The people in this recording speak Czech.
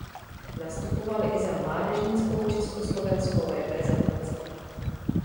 Nastupoval i za mládežnickou československou reprezentaci.